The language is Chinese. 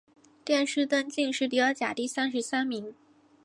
殿试登进士第二甲第三十三名。